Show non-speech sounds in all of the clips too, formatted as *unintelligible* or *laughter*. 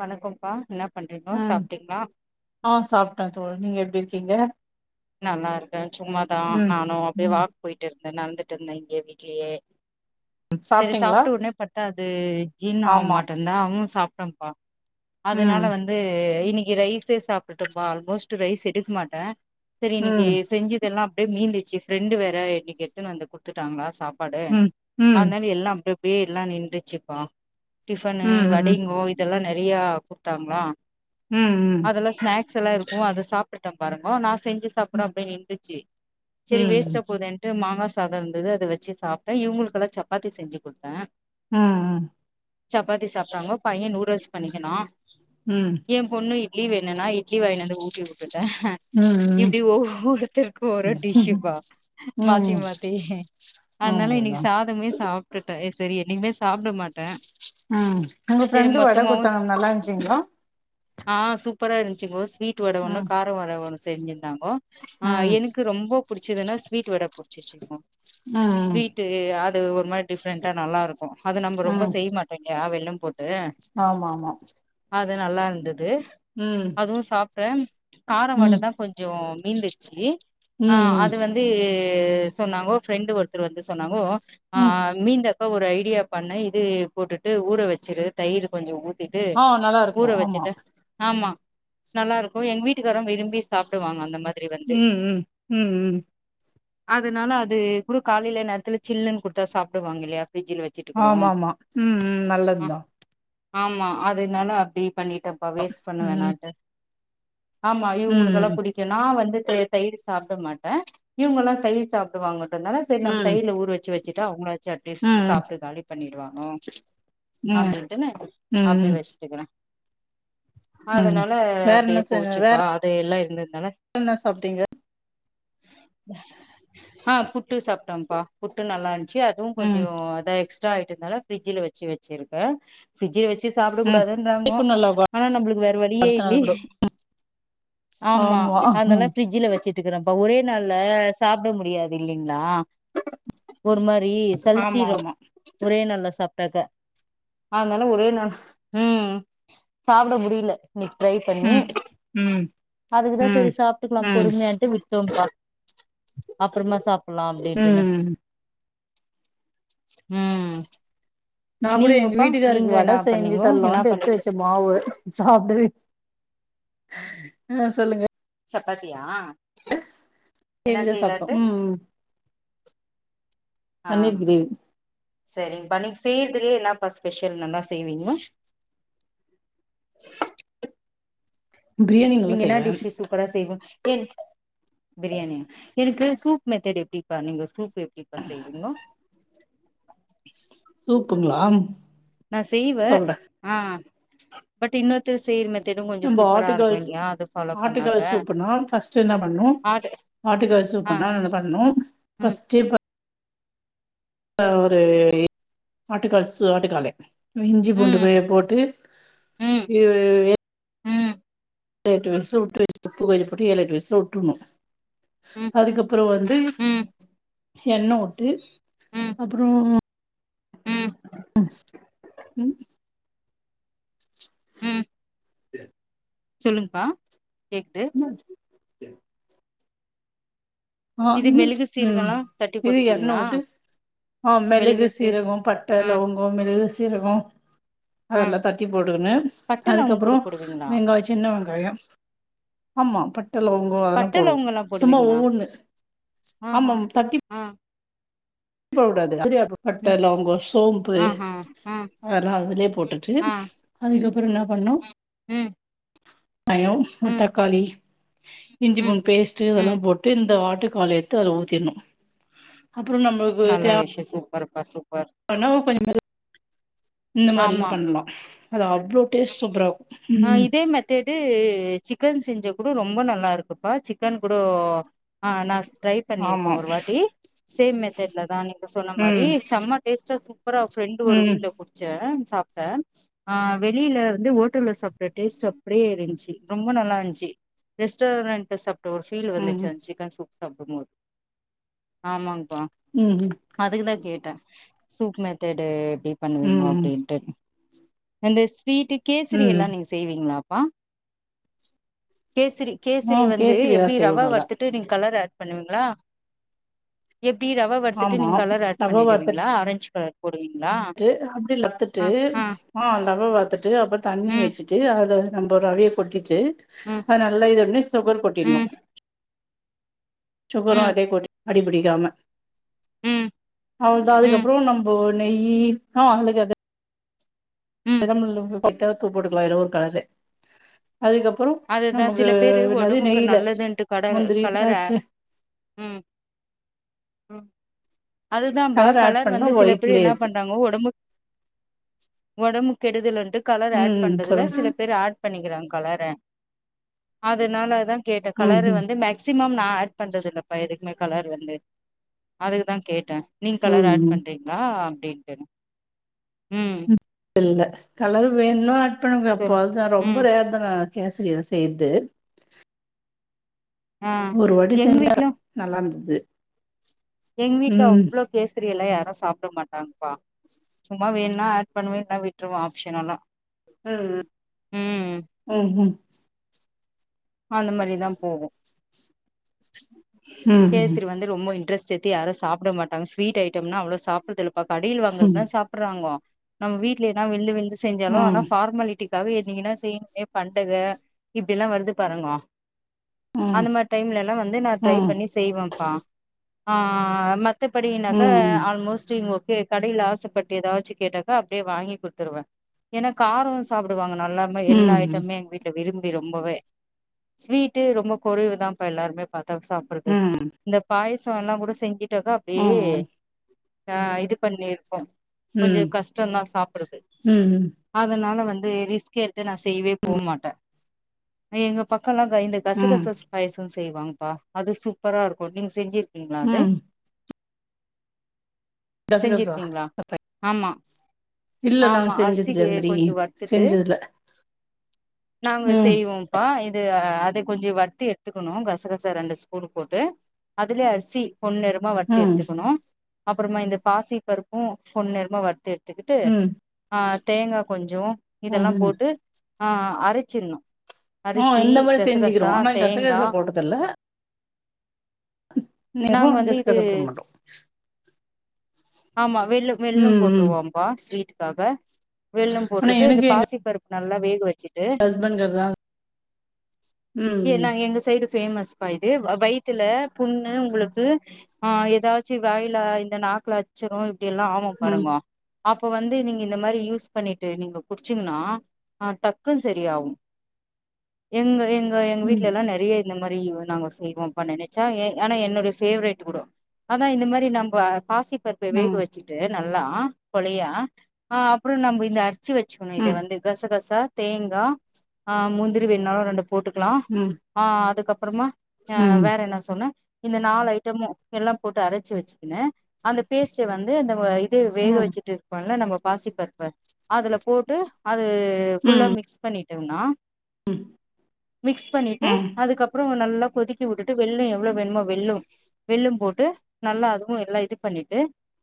வணக்கம்ப்பா என்னாப் உம் ஆஹ் சாப்ட்டேன் தோழி நீங்க எப்டி இருக் கீங்க நல்லா இருக்கே சும்மாதா நானும் அப்டியே ம் வாக் போயிட்டு இருக் கேன் நடந்துட்டு இருந்தேன் இங்கே வீட்லயே சரி சாப்ட்டீங்களா? சாப்டு உட்னே பட்தா இது ஜீன் ஆமா ஆவ்மாட்டோன்தா அவுங்க சாப் டேன் பா ம் அதனால வந்தூ இன்னிக்கு ரைஸே சாப்டுட்டுபா ஆல்மோஸ்ட் ரைஸ் எடுக்க மாட்டேன் சரி இன்னிக்கு ம் செஞ்சதெல்லாம் அப்டியே மீந்திச்சு ஃப்ரெண்டு வேற இன்னிக்கு எடுத்துனு வந்து குட்துட்டாங்க சாப் பாடு ம் ம் அதனால எல்லாம் அப்டியே அப்டியே எல்லாம் நின்றுச்சுப்பா டிஃப்பனூ ம் ம் வடயுங்கோ இதெல்லா நெ றயா குடுத்தாங்களா ம் ம் அதெல்லா ஸ்நாக்ஸ் எல்லாம் இருக்கும் அத சாப் விட்டம் பாருங்க நா செஞ்சு சாப்ட அப்படியே நின்றுச்சு சரி ம் வேஸ்டா போதேன்ட்டு மாங்கா சாதம் இருந்தது அதை வச்சு சாப்டேன் இவங்களுக்கெல்லாம் சப்பாத்தி செஞ்சு கொடுத்தேன் ம் சப்பாத்தி சாப்டாங்க பையன் நூடுல்ஸ் பண்ணிக்கணும் ம் ஏன் பொண்ணு இட்லி வேணும்னா இட்லி வாங்கினந்து ஊட்டிவிட்டு ட்டேன் ம் இப்படி ஒவ்வொருத்தருக்கும் ஒரு டிஷ்ப்பா மாத்தி ம் மாத்தி அதனால அவ்ளோதா இன்னைக்கு சாதமே சாப்டுட்டே சரி நீவே சாப்ட மாட்டேன் உம் உங்க ஃப்ரெண்டு வட குத்தாங்க நல்லா இருந்துச்சீங்களா ஆஹ் சூப்பரா இருந்துச்சுங்கோஸ் ஸ்வீட்டு வட ஒன்னு ம் கார வட ஒன்னு செஞ்சி கோ ம் எனக்கு ரொம்ப புடிச்சிதினா ஸ்வீட்டு வடை புடிச்சிச்சுங்கோ ஆஹ் ம் ஸ்வீட் அது ஒரு மாரி டிஃப்ரெண்ட்டா நல்லா இருக்கும் அது நம்ம ரொம்ப செய்ய மாட்டோம்க வெல்லம் போட்டு ஆமாமா அது நல்லாருந்துது அதுவு சாப்ட்டே கார ம் வடதா கொஞ் மீந்துருச்சு ஆ ம் அது வந்து து சொன்னாங்கோ ஃப்ரெண்டு ஒருத்தர் வந்து சொன்னாங்கோ ஆ ம் மீந்த த ஒரு ஐடியா பண்ண இது போட்டுட்டு ஊற வச்சிரு தயிர் கொஞ்ச ஊ த்திட்டு ஆ நல்லா இருக்கு ஊற ஆமா வச்சுட்டே ஆமா நல்லா இருக்கு எங்க வீட்டு காரு விரும்பி சாப் ம் ம் ம் ம் அதுனால அது கூட காலைல நேரத்துல ஜில்லுனு குடுத்தா சாப்டுவாங்க இல்லயா ஆமாமா ம் ம் ஆ நல்லதுதா ஆமா அதுனால அப்டி பண்ணிட்டப்பா வேஸ்ட் பண்ண ம் வேணான்ட்டு ஆமா ம் ம் இவங்களுக்கெல்ல நா வந்து தயிர் சாப்பிட மாட்டே இவங்கல்லா தயிர் சாப்பிடுவாங்க இருந்ததால சரி நம்ம ம் தயிர்ல ஊற வச்சு வச்சிட்டா அவங்கள வச்சு அட்லீஸ் சாப்பட்டு காலி பண்ணிடுவாங்க ம் அப்படிடுன்னு அப்படி ம் வச்சட்டுக்குறே ம் அதனால வேற என்ன அப்படியே செஞ்ச போச்சுப்பா அது எல்லா இருந் வேற என்ன சாப்டீங்க ஆ புட்டு சாப்பிட்டம்ப்பா புட்டு நல்லா இருந் ச்சு அதுவு கொஞ்ச ம் அத எக்ஸ் ரா ஆயிட்டுனால பிரிட்ஜில வச்சு வச்சிருக்கே பிரிட்ஜ் வச்சு ம் சாப்பிடக்கூடாதுன்றானுங்கோ இப்ப நல்லா கொ ஆனா நம்மளுக்கு வேற வழியே அடுத்த இல்ல நாள் கூட ஆமா அதனால பிரிட்ஜில வச்சு டுக்கறப்போ ஒரே நாள்ல சாப்பிட முடியாது இல்லைங்களா ஒரு ம சலி ஆமா சலிச்சுரும் ஆமா ஒரே நாள்ல சாப்ட்டாக்க அதுனால ஒரே நாள் உம் சாப்பிட முடில இன்னக்கி ட்ரை பண்ணி ம் ம் அதுக்கு தா ம் ப்படி சாப்பிட்டுக்கலா ம் பொறுமையான்ட்டு விட்டோங்க்கா அப்பறமா சாப் புல்லா அப்டீன்டுன்னு ம் உம் நா கூட எங்க வீட்டுக்காருக்கு வட செஞ்சு பண்ணீங்கோ என்னா தரலான்ட்டு எத்து பண்ணீங்க வெச்ச மாவு சாப்டவே ஆஹ் சொல்லுங்க சப்பாத்தியா என்ன ஏவிதா சாப்ட்டோ செய்யலான்ட்டு உம் ம் ஆ பன்னீர் கிரேவி செய்துலியே என்னாப்பா ஸ்பெஷல் நல்லா செய்வீங்க பிரியாணி நல்லா நீங்க என்னா செய்வே டிஷ்ஸு சூப்பரா செய்வோ என்க் பிரியாணி எனுக்கு சூப் மெத்தெடு எப்டிப்பா நீங்க சூப் ப்பு எப்டிப்பா செய்வீங்கோ சூப்புங்ளா நா செய்வே ஆஹ் பட் இன்னொருத்தர் செய்ற மெ நம்ப ஆட்டுக்கால் சூப் பண்ணாக்க ஆட்டுக்கால் சூப்புனா ஃபஸ்ட்டு என்ன பண்ணு ஆடு ஆட்டுக்கால் ஆ சூப்புனா ந பண்ணு ம் ஃபஸ்டே அ ஒரு ஆட்டுக்கால் சூ ஆட்டுக்காலு இஞ்சி பூண்டு ம் போய போட்டு உம் எ எட்டு விசிலுட்டு *inaudible* ஏலெட்டு விசிலு உட்ருணு ம் அதுக்கப்பறோ வந்து ம் எண்ண உட்டு அப்புறோ உம் ம் ஹு சரி *unintelligible* சொல்லுங்ப்பா கேக்து ஆஹ் இது ம் மெழுகு ம் சீரகல்லா தட்டி இது எண்ண போட்டுப்பீங்களா விட்டு ஆ மெழுகு மெளகு சீர் சீரகொ பட்ட ஆ லவங்கொ *unintelligible* ஜீரகோ ஆ அதல்லா தட்டி போட்டுகுனு பட்ட லவங்க அதுக்கப்புறோ கூட போடுவீங்களா வெங்காய் சின்ன வெங்காயம் ஆமா பட்ட லவங்கோ அதல்லா போடுவோ சும்மா ஒவ்வொன்னு ஆ ஹ ஆ *inaudible* போ கூடாது *unintelligible* பட்ட ம் லவங்கோ ஷோம்பு ஆஹா ஆ அதல்லா அதுலியே போட்டுட்டு அதிக ப்புற என்னா பண்ணு உம் காயோ ஒர் தக்காளி இஞ்சி ம் பூண்டு பேஸ்ட் ம் இதெல்லாம் போட்டு இந்த வா ட்டு கால எத்து அதுல ஊத்திடனு அப்புறோ நம் நல்ல விஷயொ சூப்பர் பசு ஆனா கொஞ்சோ *unintelligible* இந்த மாரில்லா ஆமா பண்லா அது அவ்ள டேஸ் சூப்பரா இருக்கு ஆஹ் ம் இதே மெத்தேடு சிக்கன் செஞ்சா கூட ரொம்ப நல்லா இருக்குப்பா சிக்கன் கூட ஆஹ் நா ட்ரை ஆமா பண்ணியிருக்க ஒரு வாட்டி சேம் மெத்தட்லதா நீங்க சொன்ன மாரி ம் செம்ம டேஸ்ட்டா சூப்பரா ஃப்ரெண்டு ஒரு ம் வீட்ல குடிச்ச சாப்பிட்ட ஆ வெளில வந்து ஓட் டல சாப்ட டேஸ்ட் அப்டியே இருந்ச்சு ரொம்ப நல்லா இருந்ச்சு ரெஸ்டாரண்ட் சாப் ஒருபீல் வந்துச்சு ம் அந்த சிக்கன் சூப் சாப்புடும்போது ஆமாங்க ம் ம் அப்ப அதுக்குதா கே சாப்ட்ட சூப் மெத்தேடு எப்டி பண்ணுவீங்கோ ம் அப்டின்ட்டு அந்த ஸ்வீட்டு கேசரி எல்லா ம் நீங்க செய்வீங்ளா வா கேசரி கேசரி ம் வந்து கேசரி எல்லா எப்டி செய்வோ ரவ நல்லா வறுத்துட்டு நீங்க கலர ஏடு பண்ணுவீங்ளா எப் படி ரவ வறுத்துட்டு ஆமா நீங்க கலர் ஏட் ரவா வார்த்த பண்ணிடுவீங்ளா ஆரஞ்ச் கலர் போடுவீங்களா ட்டு அப்டியே வறுத்துட்டு ஆ ஆ ஆஹ் ரவ வறுத்துட்டு அப்புறோ தண்ணி ம் வெச்சு ட்டு அத நம்ம ரவய கொட்டிட்டு ம் அஹ் நல்லா இத ஒண்ண சுகர் கொட்டிணு ம் சுகரும் ம் அதே கூடி அடிபிடிக்காம ம் அவ்தா ம் அதுக்கப்புறோ நம்போ நெய்யி ஆ அவங்களுக்கு அது ம் *unintelligible* *unintelligible* போட்டுக்கலா எதோ ஒரு கலரு அதுக்கப்புறோ அதுதா நமக்கு சில பேரு என்னது ஒடம்புக்கு நெய்யில நல்லதுன்ட்டு கடல முந்திரி கலர திராச்ச ம் ம் அதுதாம்பா கலர் பண்ணா வந்து சில பேர் ஒயிட்லயே என்னா இருக்கு பண்றாங்கோ ஒடம்புக் ஒடம்பு கெடுதலரு கலர் ஆட் ம் பண்றதுல சொல்லுங்க சில பேர் ஆட் பண்ணிக்கிறாங் கலார அது நால தா கேட்ட ம் கலரு வந்து மேக்சிமம் நா ஆட் பண்றது இல்லப்பா எதுக்குமே கலர் வந்து அதுக்கு தா கேட்டே நீங் ம் கலர் ம் ஆட் ம் பண்றிங்ளா அப்டின் உம் இல்ல கலர் வேணுனா ஆட் பணுங்க சொல் பொத்ச்சா ரொம்ப ம் ரேர் தான கேசரியலா செய்ர்து ஆ ஒரு வாட்டி செஞ்சா நல்லாருந்தது து எங் வீட்ல அவ்ளோ கேசரியெல்லா யாரு சாப்ட மாட் டாங்பா சும்மா வேணுனா ஆட் பண்ணுவே இல்னா விட்ருவ ஆப்ஷனல்லா உம் உம் உம் அந்த மாரிதா போகு ம் கேசரி வந்து ரொம்பொ இன்ட்ரெஸ் செத்தி யாரு சாப்ட மாட்டாங்க ஸ்வீட் ஐட்டம்னா அவ்ளோ சாப்ட்றதில்ல கடையில் ம் வாங்குறத்னா சாப்ட்றாங்கோ நம்ம வீட்லைனா வில்லு விந் செஞ்சாலு ஆனா ம் ம் ஃபார்மாலிட்டி காவெ நீங்கன்னா செய் எ பண்டக இப்டிலா வருது பாருங்கோ ம் அந்த மாரி டைம்லேலா வந்து நா ட்ரை ம் பண்ணி செய்வம்ப்பா ஆ மத் ம் தப்படினக ம் ஆல்மோஸ்ட் இவங்கொ கு கடையில ஆசப்பட்டு ஏதாச்சு கேட்டாக்கா அப்டியே வாங்கி குடுத்துருவே ஏனா காரோ சாப்புடுவாங்க நல்லாம ம் எல்லா ஐட்டம்மே எங்க வீட்ல விரும் பி ரொம்பொவே ஸ்வீட்டு ரொம்ப கொறைவு தாம்ப்பா எல்லாருமே பாத்தா சா து இந்த பாய்ஸ் சலாங்கூட செஞ்சி விட்டாக்கா அப்டியே ஆ இது பண்ணிரு கொஞ்சோ ம் கஷ்ட தா சாப்புடது ம் அதனால வந் *unintelligible* இத நா செய்வே போ மாட்டே ஆ எங்க பக் கல்லாக்கா இந்த கச கச ம் ஸ்பைஸ் செய்வாங்ப்பா அது சூப் பரா இருக்கு நீங்க செஞ்சி ங்களா அது ம் கசகசா செஞ்சிருக்கீங்களா ஆமா இல்ல நாங்க ஆமா செஞ்சதில்ல அரிசிக்கு அந்த மாரி கொஞ்சோ வருத்துட்டு செஞ்சதுல நாங்க ம் செய்வோம்ப்பா இது ஆ கொஞ்சோ வர்த்து எட்த்துக்கணு கசகசா ரெண்டு ஸ்பூன்னு போட்டு அதுலே அரிசி பொன் நிறமா வர்த்து ம் எடுத்துக்கணு அப்பறமா இந்த பாசி பருப்பும் பொன் நிறமா வருத்து த்துக்குட்டு ம் ஆ தேங்கா கொஞ்சோ ம் இதெல்லா ம் போட்டு ஆ ஆ அரைச்சிறணு ஆ இந்த மாரி செஞ்சுக்கிறோ ஆனா கசகசா போட்டதில்ல நாங்க *unintelligible* வந்து இது கசகசா போட மாட்டோ ஆமா வெல்ல வெல்லம் ம் ம் போட்ருவோப்பா ஸ்வீட் காக வெல்லம் போட்டுட்டு இந்த பாசி பருப்பு நல்லா வேக வச் ஹஸ்பண்ட் *unintelligible* ம் ஏ ம் நாங்க எங்க சைடு ஃபேமஸ்ப்பா இது வ வயித்துல புண்ணு உங்களுக்கு ஆ எதாச்சு வாயில இந்த நாக்குல *unintelligible* இல்லனா *unintelligible* ம் பாருங்க அப்போ வந்து நீங்க இந்த மாரி யூஸ் பண்ணிட்டு நீங்க குடிச்சீங்கன்னா ஆ டக்குன்னு செரியாவு எங்க எங் ஆ எங்க ம் வீட்டுல எல்லா நெறைய இந்த மாரி நாங்க செய்வோப்பா நெனச்சா எ ஆனா என்னுடைய ஃபேவரட்க்குடோ அதா இந்த மாரி நம்ப பாசி இப்ப ம் வேக ம் வச்சுட்டு நல்லா கொழையா ஆஹ் அப்புறம் நம்ம இந்த அ ரச்சு வச்சக்கணும் இத ம் வந்து கசகச தேங்காய் ஆஹ் முந்திரி வேணாலும் ரெண்டு போட்டுக்கலாம் ம் ஆஹ் அதுக்கப் அப்புறமா ஆஹ் ம் வேற என்ன சொன்ன இந்த நாலு ஐட்டமும் எல்லாம் போட்டு அரைச்சு வச்சுக்கனேன் அந்த பேஸ்ட் வந்து இந்த வேக வச்சுட்டு இருக்கோம்ல நம்ம பாசிப்பருப்ப அதுல போட்டு அது ஃபுல்லா ம் மிக்ஸ் பண்ணி வேவும்னா ம் மிக்ஸ் பண்ணிட்டு ம் அதுக்கப்புறம் நல்லா கொதிக்கி விட்டுட்டு வெள்ளம் எவ்வளவு வேணுமோ வெள்ளும் வெள்ளும் போட்டு நல்லா அதுவும் எல்லாம் இது பண்ணி டு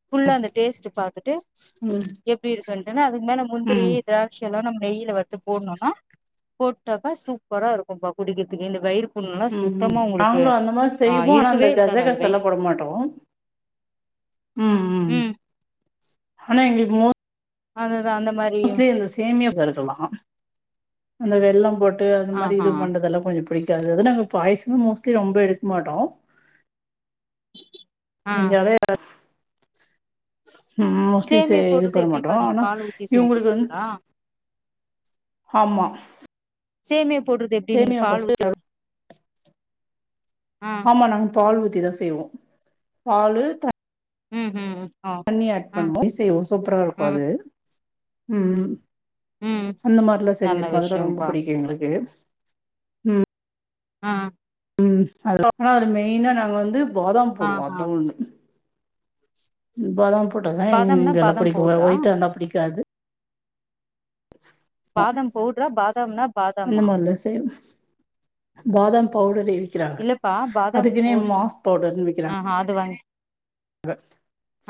ஃபுல்லா அந்த டேஸ்ட்ட் பாத்துட்டு ம் எப்படி இருக்குன்ன்னா அதுக்கு மேல முந்திரி ம் திராட்சை எல்லாம் நம்ம நெய்யில வருத்து போடணும்னா போட்டாக்கா சூப்பரா இருக்கும் பா குடிக்கிறதுக்கு இந்த வயிறு புண்ணுல்லா உஹம் உஹம் சுத்தமா உங்களுக்கு நாங்களும் அந்த மாதரி ஆ செய்வோம் ஆனா அந்த இருக்கவே கஜ இருக்காது அந்த கசால்ல வயித் போட மாட்டோம் உஹம் உஹம் ம் ஆனா எங்களுக்கு ம அத மோஸ்ட்லி இந்த சேமிய பெருக்கலாம் அந்த வெள்ளம் போ ட்டு அது மாரி ஆஹா இது பண்றதல்லாம் கொஞ்சம் பிடிக் காது நாங்க பாயசம மோஸ்ட்லி ரொம்ப எடுக்க மாட்டோம் ஆ செஞ்சாவே உஹம் மோஸ்ட்லி ச சேமியா இது போடுறது பண்ண எப்டிப்பா மாட்டோம் நீங்க ஆனா பால் ஊத்தி இவுங்களுக்கு வந்து செஞ்சுருவீங்களா ஆமா சேமி யா போடுறது எப்படி நீங்க சேமியா பால் ஃபஸ்ட்டு ஊத்தி செ ஆ ஆமா நாங்க பால் ஊத்தி தான் செய்வோம் பாலு உம் உம் உம் தண்ணிய ஆட் பண்ணுவோ *inaudible* சூப்பரா இருக்கு ம் அது ம் ம் ம் அந்த மாரில்லா நல்ல செஞ்சிருக்கோ அதெல்லா ரொம்ப விஷயம்ப்பா புடிக்கு எங்களுக்கு ம் ஆ ம் *inaudible* அது மெய்னா நாங்க வந்து பாதாம் போடுவோ ஆஹா அதா ஒன்னு பாதாம் போட்ருங்க பாதாம்னா இங்கெல்லா பாதாம் புடிக்குமா பவுட்ரா ஒயிட்டா இருந்தா புடிக்காது மா பாதாம் பவுட்ரா பாதாம்னா அந்த பாதாமா மாரிலா செ பாதாம் பவ்டரே க்கிறாங்க இல்லப்பா பாதாம் அதுக்குனே பவுட் மாஸ் பவ்டர்னு விக்கிறாங்க ஆஹா அது வாங்கி க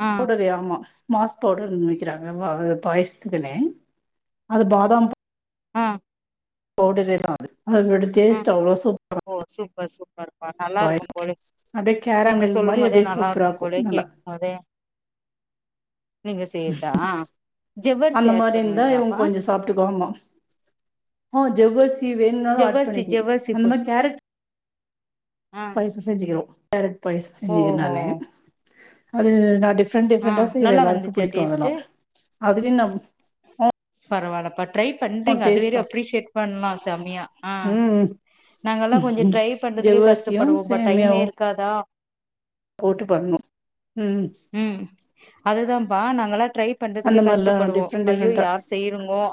ஆ பவ்டரே ஆமா மாஸ் பவ்டருன் விக்கிறாங்க வ பாயசத்துக்னே அது பாதாம் ப அ பவ்டரேதா அது அதோட டேஸ்ட்டு அவ்ளோ *inaudible* பசு பார்ப்பா நல்லா இருக்கும் பாயசம் போல அப்டியே நீங்க கேரமில் சொல்லும் மாரி போதே அப்டியே நல்லா சூப்பரா இருக்கும் போல இருக்கு நல்லா கேக்கும் போதே நீங்க செய்யறதா ஆ ஜவ்வரிசி அந்த ஆட் மாரி இருந்தா இவுங் பண்ணுவீங்களாப்பா கொஞ்சொ சாப்டுக்குவாங்கோ அ ஜவ்வர் சி வேணுன்னாலு ஆட் ஜவ்வரிசி பண்ணிப்போ ஜவ்வரிசி அந்த போ மாரி கேரட் ஆ பைசு செஞ்சுக்கிறோ கேரட் பாய்ஸ் செஞ்சிக்கு ஓஹோ நானு அது நா டிஃப் ஃப்ரெண்ட் ஆ டிஃப்ரெண்டா செய்வே நல்லா எல்லார்க்கு வந்துச்சா பிடிக்கு அதல்லா டேஸ்ட்டு அதுல்யு நம் பரவால்ல பட் ட்ரை பண்றீங்க அது வரையு தான் அப்ரிஷியேட் பண்லா செமியா அ ம் நாங்கல்லா கொஞ்சு ட்ரை பண்றதுக்கே ஜவ்வரிசியும் கஷ்டப்படுவோ பட் டைமே சேமியாவும் இருக்காதா போட்டு பண்ணு ம் அதுதாம்ப்பா நாங்களா ட்ரை பண்றதுக்கே அந்த மாதிரிலாம் கஷ்டப்படுவோ டிஃப்ரெண்ட் ஐயோ டிஃப்ரெண்டா யார் செய்றுங்கோ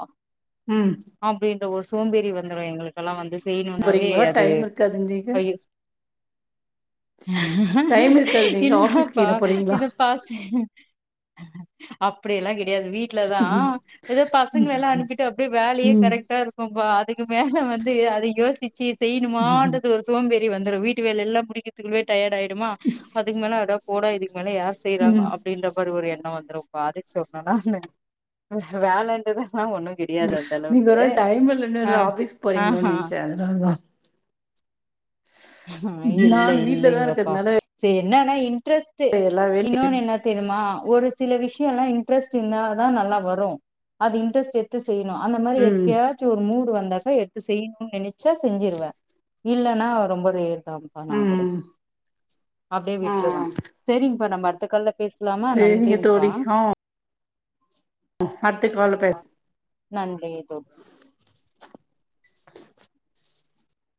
ம் அப்டின் ஒரு சோம்பேறி வந்துரு எங்களுக்கல்லா வந்துஸ் செய்ணுனாவே போறீங்களா அது டைம் இருக்காது நீங்க பயிர் டைம் இருக்காது நீங்க ஆபீஸ்க்கு இல்லப்பா என்ன போறீங்களா இது பாஸ் அப்படியெல்லா அது வீட்ல தான் எது ம் பசங்கலல்லா அனுப்பிட்டு அப்படியே வேலையே கரெக்டா இருக்கும்பா அதுக்கு மேல வந்து அத யோசிச்சு ம் செய்யணுமானு ஒரு சோம்பேறி வந்து வீட்டு வேல எல்லாம் முடிக்கதுக்கவே டயர்ட் ஆயிடு மா அதுக்கு மேல அதெல்லா போடாடு இதல்லா யார் செய்றாங்க ம். அப்டின்ற மாரி ஒரு எண்ணம் வந்துரும் *unintelligible* சொல்லணும்னா வேலைன்றத ம் நீங்க ஒரு வேல டைம் இல்லன்னு ஆ ஆபிஸ்க்கு போறீங்களோனு ஆஹா நினைச்சே அதனாலதான் அஹ் இல்லை நான் வீட்ல தான் இல்லைங்கப்பா இருக்கிறதுனால சே என்னானா இன்டரெஸ்ட்டு எல்லா வேலையும் இன்னொனு என்ன தெரியுமா ஒரு சில விஷய எல்லா இன்ட்ரெஸ்ட் இருந்தால தான் நல்லா வரும் அது இன்ட்ரெஸ்ட் எடுத்து செய்யணும் அந்த மாரி செய்வேன். ம் எப்பயாச்சு ஒரு மூடு வந்து எடுத்து செய்யணும் நினைச்சா செஞ்சிருவேன் இல்லன்னா ரொம்ப ம் கண்டிப்பா நா கூட ம் அப்டியே ஆ விட்டுருவேன் சரிங்கப்பா நம்ம இந்தக்கல்ல பேஸ்லாமா சரிங்க நன்றிங்ப்பா தோழி ஆ அடுத்த கால்ல பேச நன்றி தோழி